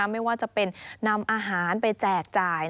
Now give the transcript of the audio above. ไม่ว่าจะเป็นนำอาหารไปแจกจ่าย